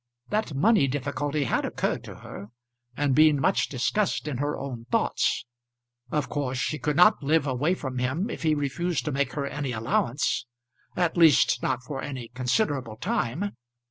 That money difficulty had occurred to her, and been much discussed in her own thoughts. Of course she could not live away from him if he refused to make her any allowance, at least not for any considerable time.